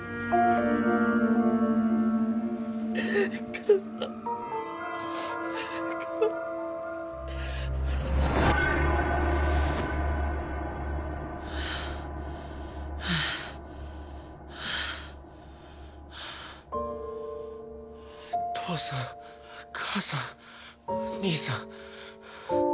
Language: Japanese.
加藤さん父さん母さん兄さん